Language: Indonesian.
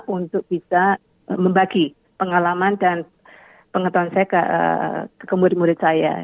untuk bisa membagi pengalaman dan pengetahuan saya ke murid murid saya